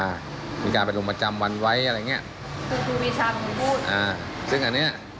บริการมีการเป็นโรงประจำวันไว้อะไรเงี้ยซึ่งอันนี้